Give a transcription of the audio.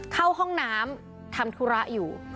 เข้าห้องน้ำทำธุระอยู่